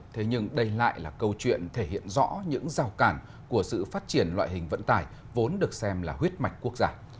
thế nhưng đây lại là câu chuyện thể hiện rõ những rào cản của sự phát triển loại hình vận tải vốn được xem là huyết mạch quốc gia